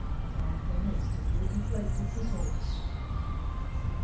"Oh, night after next it will be great to kiss all that!"